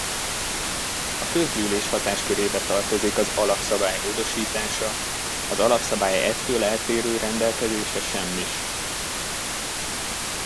A közgyűlés hatáskörébe tartozik az alapszabály módosítása; az alapszabály ettől eltérő rendelkezése semmis.